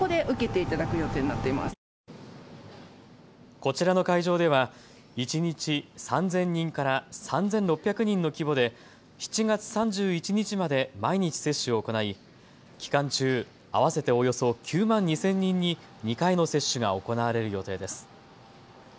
こちらの会場では一日３０００人から３６００人の規模で７月３１日まで毎日、接種を行い期間中、合わせておよそ９万２０００人に２回の接種が行われる予定です。